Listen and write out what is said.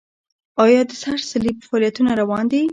آیا د سره صلیب فعالیتونه روان دي؟